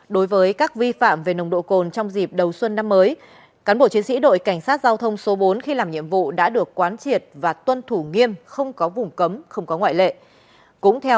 đối với các vi phạm về nồng độ cồn trong dịp đầu xuân năm mới cán bộ chiến sĩ đội cảnh sát giao thông số bốn khi làm nhiệm vụ đã được quán triệt và tuân thủ nghiêm không có vùng cấm không có ngoại lệ